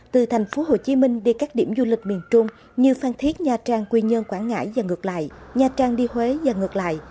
từ tp hcm đi các điểm du lịch miền trung như phan thiết nha trang quy nhơn quảng ngãi và ngược lại nha trang đi huế và ngược lại